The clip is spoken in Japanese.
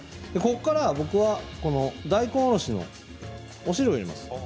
ここから僕は大根おろしの汁を入れます。